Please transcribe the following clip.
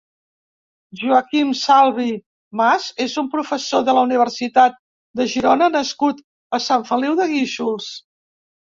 Joaquim Salvi Mas és un professor de la Universitat de Girona nascut a Sant Feliu de Guíxols.